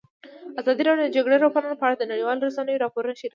ازادي راډیو د د جګړې راپورونه په اړه د نړیوالو رسنیو راپورونه شریک کړي.